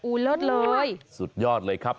อู้รสเลยสุดยอดเลยครับ